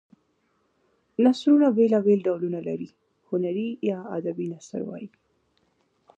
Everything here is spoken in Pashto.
نثرونه بېلا بېل ډولونه لري هنري یا ادبي نثر وايي.